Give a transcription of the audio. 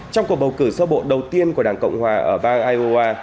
trong cuộc bầu cử sơ bộ đầu tiên của đảng cộng hòa ở bang iowa